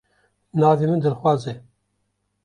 Navê min Dilxwaz e.